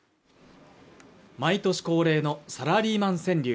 毎年恒例のサラリーマン川柳